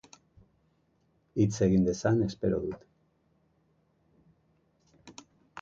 Hitz egin dezan espero dut.